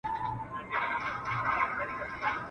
غوړ پر غوړ توئېږي نه پر خواره چاوده.